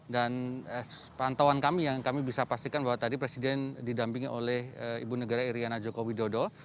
dan pantauan kami yang kami bisa pastikan bahwa tadi presiden didampingi oleh ibu negara iryana joko widodo